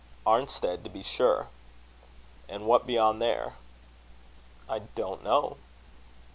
"Arnstead, to be sure." "And what beyond there?" "I don't know."